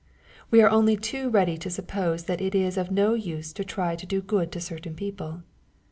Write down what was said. We are only too ready to suppose that it is of no use trying to do good to certain people.